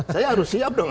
saya harus siap dong